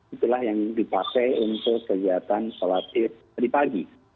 itulah yang dipakai untuk kegiatan sholat ibrat di pagi